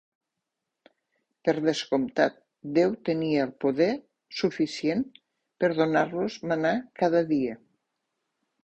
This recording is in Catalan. Per descomptat, Déu tenia el poder suficient per donar-los mannà cada dia.